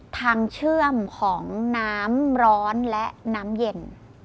ทางเชื่อมของน้ำร้อนและน้ำเย็น